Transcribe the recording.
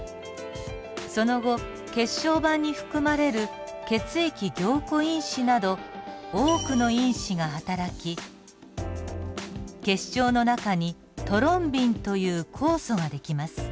その後血小板に含まれる血液凝固因子など多くの因子がはたらき血しょうの中にトロンビンという酵素が出来ます。